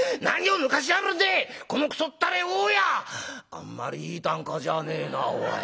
「あんまりいい啖呵じゃねえなおい」。